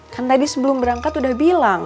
kan tadi sebelum berangkat udah bilang